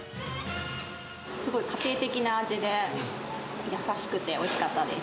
すごい家庭的な味で、優しくておいしかったです。